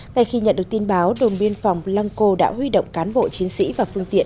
ngay khi nhận được tin báo đồn biên phòng lăng cô đã huy động cán bộ chiến sĩ và phương tiện